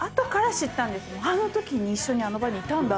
あのときに一緒にあの場にいたんだ！